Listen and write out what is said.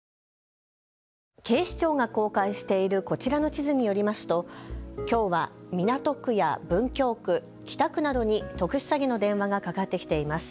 警視庁が公開しているこちらの地図によりますときょうは港区や文京区、北区などに特殊詐欺の電話がかかってきています。